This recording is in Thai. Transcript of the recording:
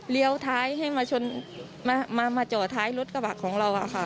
ท้ายให้มาจ่อท้ายรถกระบะของเรา